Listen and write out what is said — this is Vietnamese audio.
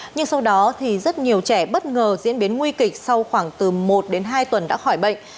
nhưng sau đó thì rất nhiều trẻ bất ngờ diễn biến nguy kịch sau khoảng từ một đến hai tuần đã khỏi bệnh